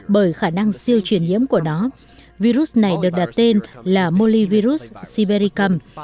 bởi khả năng siêu truyền nhiễm của nó virus này được đặt tên là molyvirus sibericum